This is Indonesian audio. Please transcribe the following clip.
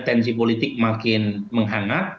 tensi politik makin menghangat